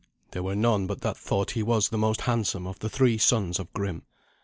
There were none but thought that he was the most handsome of the three sons of Grim.